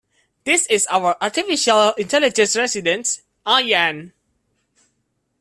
This is our Artificial Intelligence Resident, Ayaan.